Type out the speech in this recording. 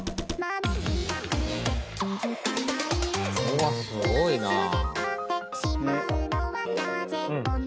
うわっすごいなあ。